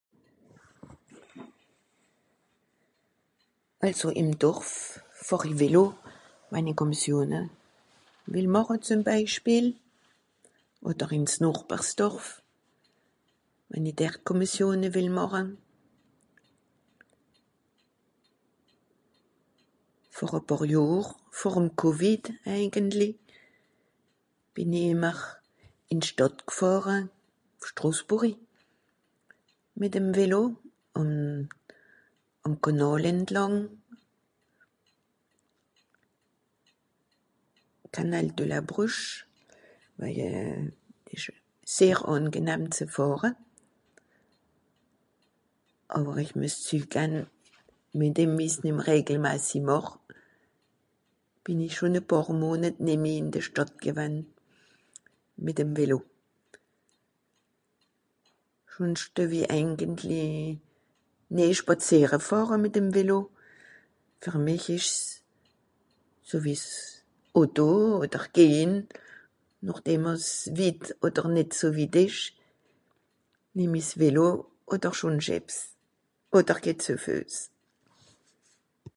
Also ìm Dorf fàhr i Vélo, wenn i Komissione wìll màche, zem Beispiel, odder ìns nochbers dorf, wenn i dert Komissione wìll màche. Vor e pààr Johr, vor'm Covid, eigentli, bìn i ìmmer ìn d'Stàdt gfàhre, Strosbùrri, mìt'em Vélo, ùn àm Kànàl entlàng, Canal de la Bruche, waje ìsch sehr àngenahm ze fàhre, àwer ìch mues zügan, mìt dem wie ìch's nìmm regelmasi màch, bìn i schon e pààr Monet nìmmi ìn de Stàdt gewenn, mìt'm Vélo. Schùnsch due-w-i eigenentli nìe spàzìere fàhre mìt'm Vélo. Fer mich ìsch's... so wie s'... Auto odder gehn, nochdem àss witt odder nìt so witt ìsch, nìmm i s'Vélo, odder schùnsch ebbs. Odder geh ze Fues.